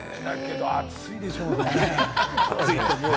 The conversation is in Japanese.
でも暑いでしょうね。